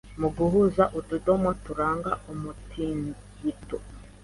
muguhuza utudomo turanga umutingito